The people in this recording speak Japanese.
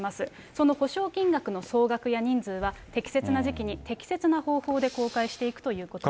その補償金額の総額や人数は、適切な時期に、適切な方法で公開していくということです。